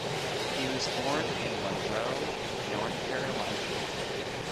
He was born in Monroe, North Carolina.